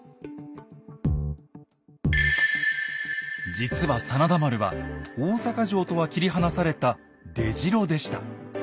実は真田丸は大坂城とは切り離された出城でした。